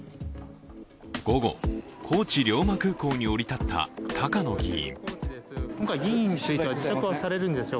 午後、高知龍馬空港に降り立った高野議員。